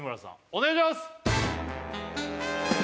お願いします